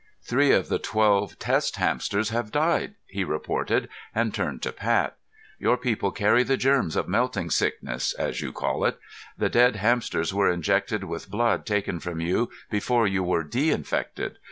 "Three of the twelve test hamsters have died," he reported, and turned to Pat. "Your people carry the germs of melting sickness, as you call it. The dead hamsters were injected with blood taken from you before you were de infected.